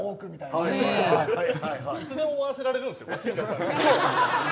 いつでも終わらせられるんですよ。